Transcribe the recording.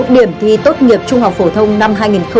điểm thi tuất nghiệp trung học phổ thông năm hai nghìn hai mươi hai